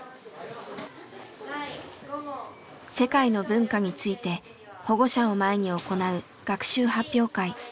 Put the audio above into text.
世界の文化について保護者を前に行う学習発表会。